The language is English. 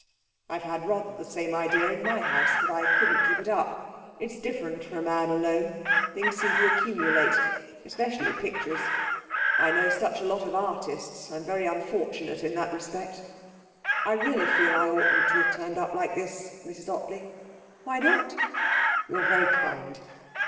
I've had rather the same idea in my house, but I couldn't keep it up. It's different for a man alone; things seem to accumulate; especially pictures. I know such a lot of artists. I'm very unfortunate in that respect.... I really feel I oughtn't to have turned up like this, Mrs Ottley.' 'Why not?' 'You're very kind....